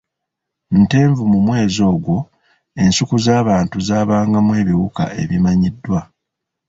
Ntenvu mu mwezi ogwo, ensuku z'abantu zaabangamu ebiwuka ebimanyiddwa .